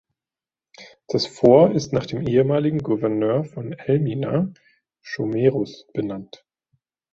Das Fort ist nach dem ehemaligen Gouverneur von Elmina, Schomerus, benannt.